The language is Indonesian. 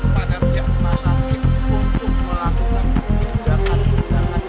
pada pihak masyarakat untuk melakukan ini tidak akan diberikan